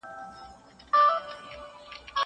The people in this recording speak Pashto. زه به سبا کتابتوننۍ سره وخت تېرووم!!